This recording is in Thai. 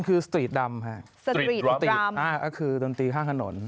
ครั้งหน้านั่นคือดนตรีฆ่าถนน